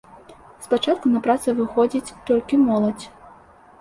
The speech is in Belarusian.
Спачатку на працу выходзіць толькі моладзь.